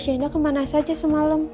mbak sienna kemana saja semalam